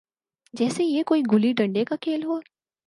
جیسے یہ کوئی گلی ڈنڈے کا کھیل ہو۔